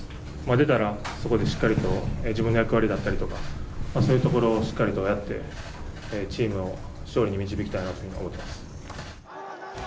出たらしっかりと自分の役割だったりとか、そういうところをしっかりとやって、チームを勝利に導きたいなと思ってます。